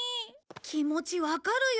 気持ちわかるよ！